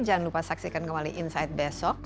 jangan lupa saksikan kembali insight besok